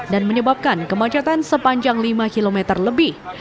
dan menyebabkan kemacetan sepanjang lima km lebih